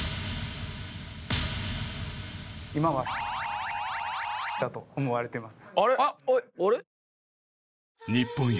今はだと思われてます。